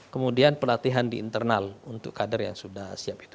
kemudian pelatihan di internal untuk kader yang sudah siap itu